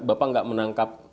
bapak tidak menangkap